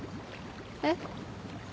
えっ？